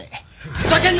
ふざけんな！